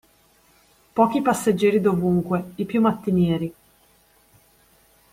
Pochi passeggeri dovunque, i più mattinieri.